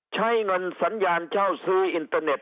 ใช้เงินสัญญาณเช่าซื้ออินเตอร์เน็ต